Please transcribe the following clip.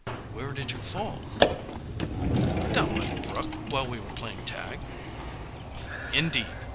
"Where did you fall?" "Down by the brook, while we were playing tag." "Indeed!